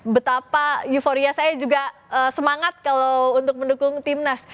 betapa euforia saya juga semangat kalau untuk mendukung timnas